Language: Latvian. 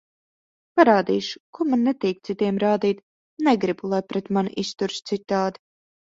Parādīšu, ko man netīk citiem rādīt, negribu, lai pret mani izturas citādi.